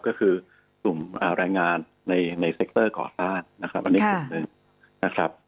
ก็คือกลุ่มรายงานในเซคเตอร์ก่อสร้างนะครับ